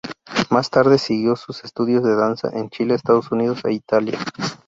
Más tarde siguió sus estudios de danza en Chile, Estados Unidos e Italia.